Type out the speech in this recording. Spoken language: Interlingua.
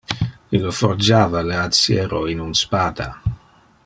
Ille forgiava le aciero in un spada.